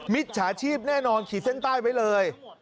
มิตรสาชาชีพแน่นอนเขียนเซ่นใต้ไว้เลย